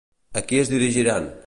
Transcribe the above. A qui es dirigiran?